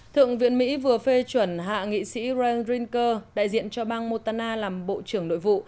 thượng viện mỹ vừa phê chuẩn hạ nghị sĩ ryan rinker đại diện cho bang montana làm bộ trưởng nội vụ